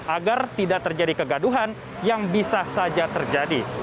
agar tidak terjadi kegaduhan yang bisa saja terjadi